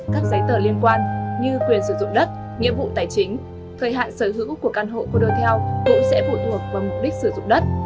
các giấy tờ liên quan như quyền sử dụng đất nhiệm vụ tài chính thời hạn sở hữu của căn hộ condotel cũng sẽ phụ thuộc vào mục đích sử dụng đất